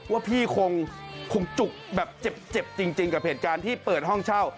ว่าพี่คงจุกแบบเจ็บจริงกับเหตุการณ์ที่เปิดห้องเช่า